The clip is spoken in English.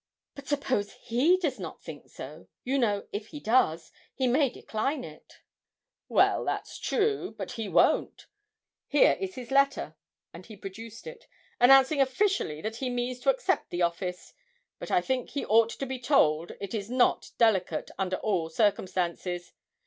'But suppose he does not think so. You know, if he does, he may decline it.' 'Well that's true but he won't. Here is his letter' and he produced it 'announcing officially that he means to accept the office; but I think he ought to be told it is not delicate, under all circumstances.